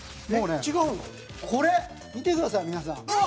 品川：これ見てください皆さん。